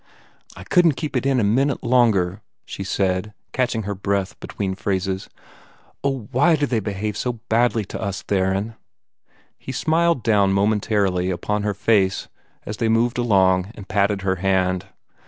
"I couldn't keep it in a minute longer!" she said, catching her breath between phrases. "Oh, WHY do they behave so badly to us, Theron?" He smiled down momentarily upon her as they moved along, and patted her hand.